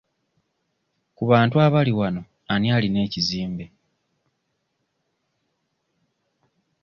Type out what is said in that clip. Ku bantu abali wano ani alina ekizimbe?